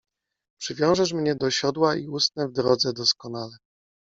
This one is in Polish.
- Przywiążesz mnie do siodła i usnę w drodze doskonale.